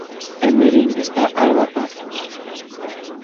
En Verín está Alba Pazos.